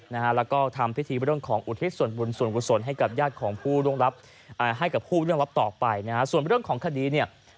แล้วก็ทำพิธีในเรื่องของอุทิศส่วนกภูมิส่วนส่วนให้กับรับผู้ต่อไป